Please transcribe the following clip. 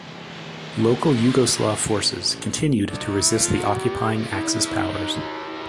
Local Yugoslav forces continued to resist the occupying Axis powers.